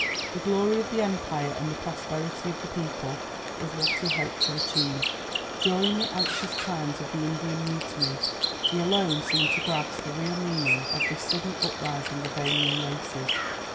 "The glory of the Empire and the prosperity of the people" was what he hoped to achieve. During the anxious times of the Indian Mutiny he alone seemed to grasp the real meaning of this sudden uprising of alien races.